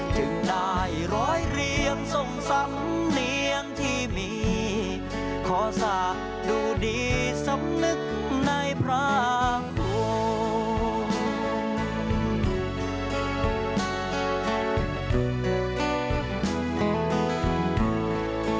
จึงได้ร้อยเรียงทรงสำเนียงที่มีขอสะดูดีสำนึกในพรางวง